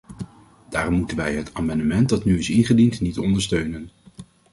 Daarom moeten wij het amendement dat nu is ingediend niet ondersteunen.